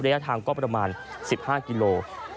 ระยะทางก็ประมาณ๑๕กิโล